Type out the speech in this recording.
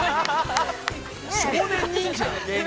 少年忍者。